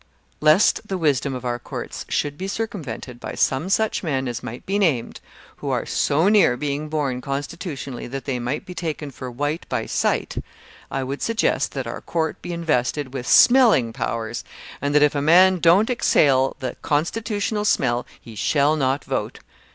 Lest the wisdom of our courts should be circumvented by some such men as might be named, who are so near being born constitutionally that they might be taken for white by sight, I would suggest that our court be invested with SMELLING powers, and that if a man don't exhale the constitutional smell, he shall not vote!